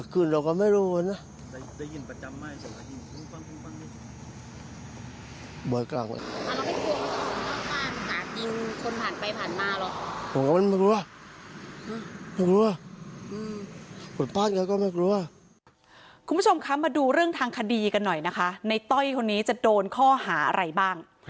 คุณผู้ชมคะมาดูเรื่องทางคดีกันหน่อยนะคะในต้อยคนนี้จะโดนข้อหาอะไรบ้าง